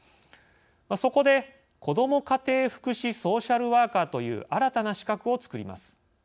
そこで、子ども家庭福祉ソーシャルワーカーという新たな資格を作ります。